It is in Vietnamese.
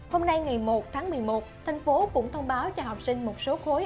hôm nay ngày một tháng một mươi một thành phố cũng thông báo cho học sinh một số khối